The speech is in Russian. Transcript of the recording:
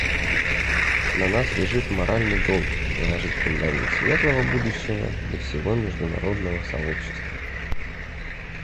На нас лежит моральный долг заложить фундамент светлого будущего для всего международного сообщества.